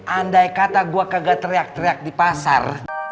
andai kata gue kagak teriak teriak di pasar